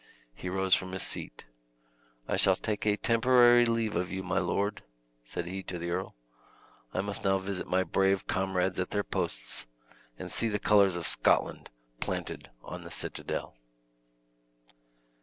He rose from his seat. "I shall take a temporary leave of you, my lord," said he to the earl; "I must now visit my brave comrades at their posts, and see the colors of Scotland planted on the citadel."